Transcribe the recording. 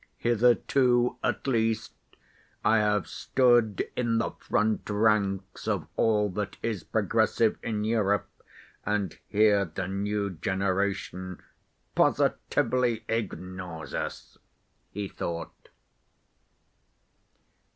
"Hitherto at least I have stood in the front ranks of all that is progressive in Europe, and here the new generation positively ignores us," he thought.